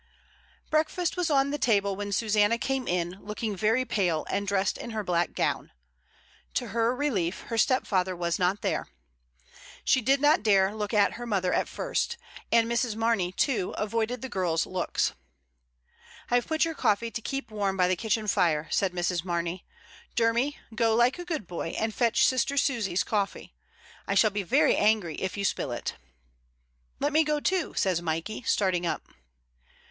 Breakfast was on the table when Susanna came in, looking very pale, and dressed in her black gown. To her relief her stepfather was not there. She did not dare look at her mother at first; and Mrs. Mamey, too, avoided the girl's looks. "I have put your coffee to keep warm by the kitchen fire," said Mrs. Mamey. "Dermy, go, like a good boy, and fetch sister Susy's coffee. I shall be very angry if you spill it." "Let me go too," says Mikey, starting up.